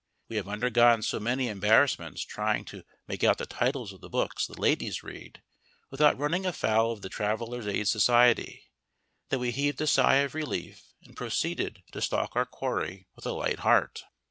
We have undergone so many embarrassments trying to make out the titles of the books the ladies read, without running afoul of the Traveller's Aid Society, that we heaved a sigh of relief and proceeded to stalk our quarry with a light heart.